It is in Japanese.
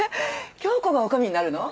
杏子が女将になるの？